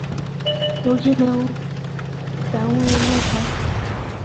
如今为某单位用房。